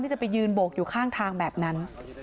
จะไปยืนโบกอยู่ข้างทางแบบนั้น